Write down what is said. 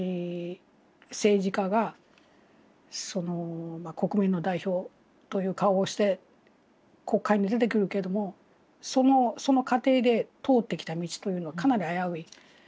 政治家が国民の代表という顔をして国会に出てくるけれどもその過程で通ってきた道というのはかなり危うい。